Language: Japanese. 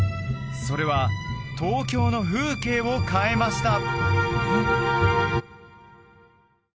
それは東京の風景を変えました！